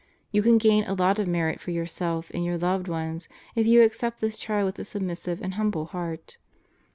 You can gain a lot of merit for yourself and your loved ones if you accept this trial with a submissive and humble heart.